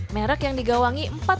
merek yang digawangi empat wanita milenial